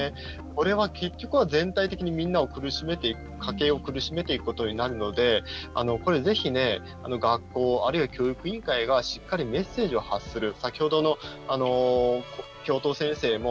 これは結局は全体的にみんなを苦しめていく家計を苦しめていくことになるのでぜひ、学校あるいは教育委員会はしっかりメッセージを発する。